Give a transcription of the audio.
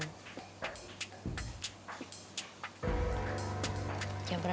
aku juga kayak gitu tan